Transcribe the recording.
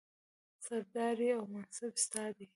سرداري او منصب ستا دی